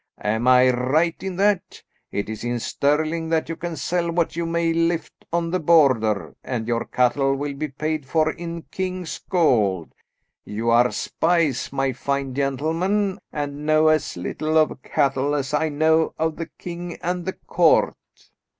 Am I right in that? It is in Stirling that you can sell what you may lift on the Border, and your cattle will be paid for in king's gold. You are spies, my fine gentlemen, and know as little of cattle as I know of the king and the court."